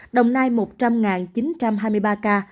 đồng nai một trăm linh chín trăm hai mươi ba ca